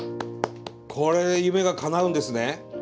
これで夢がかなうんですね。